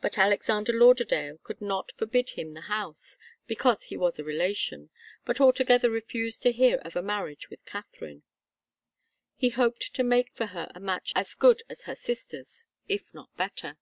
But Alexander Lauderdale could not forbid him the house, because he was a relation, but altogether refused to hear of a marriage with Katharine. He hoped to make for her a match as good as her sister's, if not better.